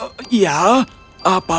apakah ada cara kau bisa mencintai kakak